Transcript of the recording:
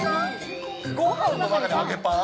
ごはんの中に揚げパン？